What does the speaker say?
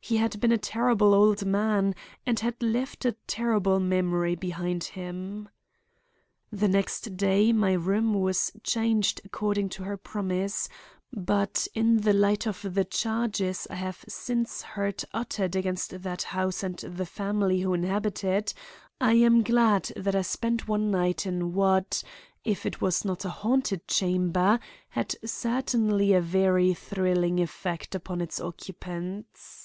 He had been a terrible old man and had left a terrible memory behind him. "The next day my room was changed according to her promise, but in the light of the charges I have since heard uttered against that house and the family who inhabit it, I am glad that I spent one night in what, if it was not a haunted chamber, had certainly a very thrilling effect upon its occupants."